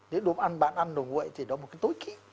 nếu đồ ăn bạn ăn đồ nguội thì đó là một cái tối ký